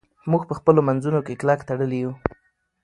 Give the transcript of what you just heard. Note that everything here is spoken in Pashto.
موږ په خپلو منځونو کې کلک تړلي یو.